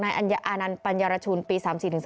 อานันต์ปัญญารชุนปี๓๔๓